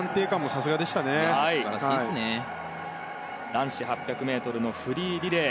男子８００ｍのフリーリレー